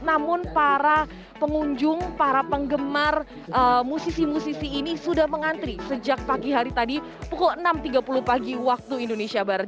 namun para pengunjung para penggemar musisi musisi ini sudah mengantri sejak pagi hari tadi pukul enam tiga puluh pagi waktu indonesia barat